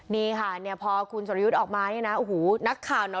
นี่ค่ะเนี่ยพอคุณสรยุทธ์ออกมาเนี่ยนะโอ้โหนักข่าวนะ